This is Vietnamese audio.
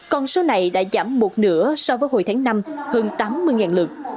còn số này đã giảm một nửa so với hồi tháng năm hơn tám mươi lượt